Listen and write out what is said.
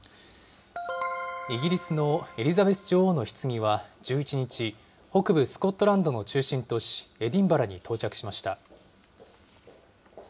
イギリスのエリザベス女王のひつぎは、１１日、北部スコットランドの中心都市、エディンバラに到着しました。